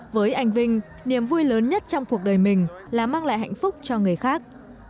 với anh vinh niềm vui lớn nhất trong cuộc đời mình là mang lại hạnh phúc cho người khác